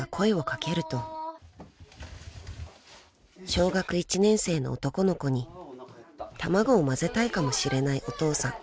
［小学１年生の男の子に卵を混ぜたいかもしれないお父さん］